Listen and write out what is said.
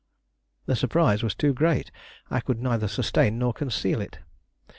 The surprise was too great; I could neither sustain nor conceal it.